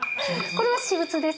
これは私物です。